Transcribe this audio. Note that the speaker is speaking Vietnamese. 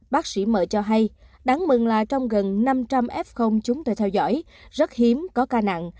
bác sĩ m cho hay đáng mừng là trong gần năm trăm linh f chúng tôi theo dõi rất hiếm có ca nặng